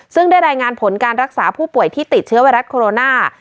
ซึ่งได้รายงานผลการรักษาผู้ป่วยที่ติดเชื้อไวรัสโคโรนา